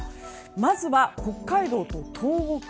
まずは北海道と東北。